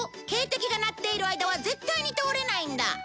警笛が鳴っている間は絶対に通れないんだ